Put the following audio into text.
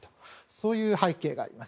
そういう背景があります。